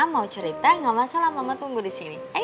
mau cerita gak masalah mama tunggu di sini